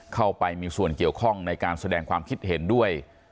เข้าไปมีส่วนเกี่ยวข้องในการแสดงความคิดเห็นด้วย